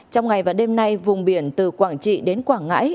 trong ngày và đêm nay vùng biển từ quảng trị đến quảng ngãi